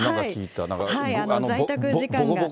在宅時間に。